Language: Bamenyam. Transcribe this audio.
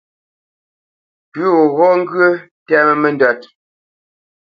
Pʉ̌ gho ghɔ́ ŋgyə̂ ntɛ́mə́ nəndə́t.